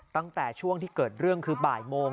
ตั้งแต่ช่วงที่เกิดเรื่องคือบ่ายโมง